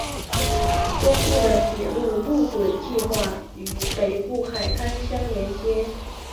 东部的铁路路轨计画与北部海滩相联接。